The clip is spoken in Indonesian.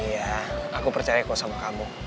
iya aku percaya kok sama kamu